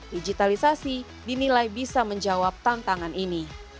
digitalisasi dinilai bisa menjawab tantangan ini